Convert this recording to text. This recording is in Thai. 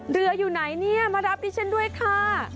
อยู่ไหนเนี่ยมารับดิฉันด้วยค่ะ